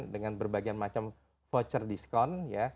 dengan berbagai macam voucher diskon